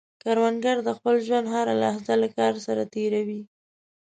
کروندګر د خپل ژوند هره لحظه له کار سره تېر وي